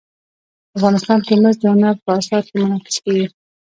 افغانستان کې مس د هنر په اثار کې منعکس کېږي.